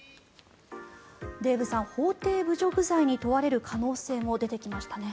デーブさん法廷侮辱罪に問われる可能性も出てきましたね。